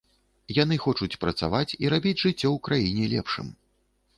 Яны хочуць працаваць і рабіць жыццё ў краіне лепшым.